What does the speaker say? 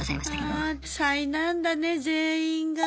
ああ災難だね全員が。